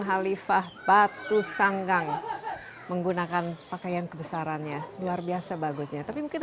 halifah batu sanggang menggunakan pakaian kebesarannya luar biasa bagusnya tapi mungkin